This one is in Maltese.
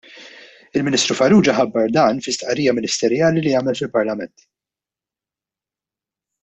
Il-Ministru Farrugia ħabbar dan fi stqarrija ministerjali li għamel fil-Parlament.